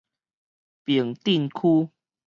平鎮區